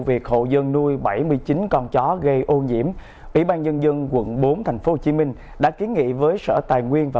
việc hộ dân nuôi bảy mươi chín con chó gây ô nhiễm ủy ban nhân dân quận bốn tp hcm đã kiến nghị với sở tài nguyên và